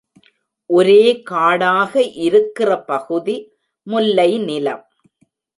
ஒரே காடாக இருக்கிற பகுதி முல்லை நிலம்.